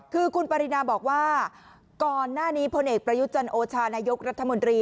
คือคุณปรินาบอกว่าก่อนหน้านี้พลเอกประยุจันโอชานายกรัฐมนตรี